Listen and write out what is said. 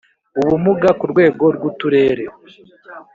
ubumuga ku rwego rw Uturere